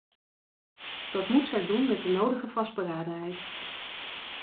Dat moet zij doen met de nodige vastberadenheid.